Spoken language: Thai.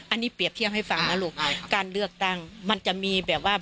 อันนี้เปรียบเทียบให้ฟังนะลูกการเลือกตั้งมันจะมีแบบว่า